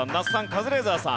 カズレーザーさん